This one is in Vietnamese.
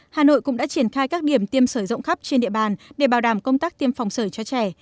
hà nội cũng đã triển khai các điểm tiêm sởi rộng khắp trên địa bàn để bảo đảm công tác tiêm phòng sởi cho trẻ